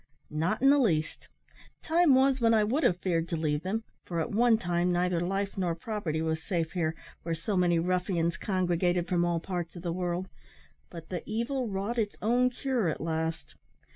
"Not in the least. Time was when I would have feared to leave them; for at one time neither life nor property was safe here, where so many ruffians congregated from all parts of the world; but the evil wrought its own cure at last.